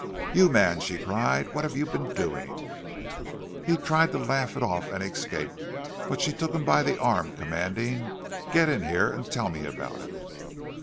"You man," she cried, "what have you been doing?" He tried to laugh it off and escape, but she took him by the arm, commanding, "Get in here and tell me about it."